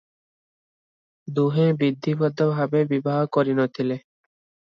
ଦୁହେଁ ବିଧିବଦ୍ଧ ଭାବେ ବିବାହ କରିନଥିଲେ ।